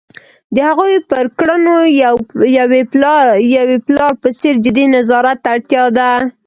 د هغوی پر کړنو یوې پلار په څېر جدي نظارت ته اړتیا ده.